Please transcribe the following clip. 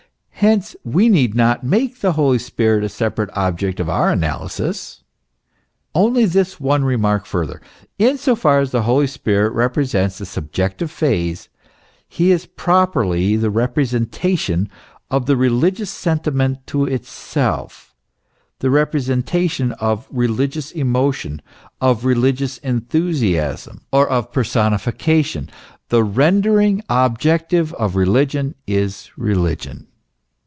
Hence we need not make the Holy Spirit a separate object of our analysis. Only this one remark further. In so far as the Holy Spirit represents the subjective phase, he is properly the representa THE MYSTERY OF THE TKINITY. 67 tion of the religious sentiment to itself, the representation of religious emotion, of religious enthusiasm, or the personifi cation, the rendering objective of religion in religion.